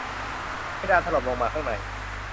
เพดานถล่มลงมาข้างใน